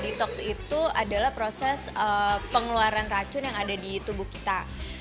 detox itu adalah proses pengeluaran racun yang ada di tubuh kita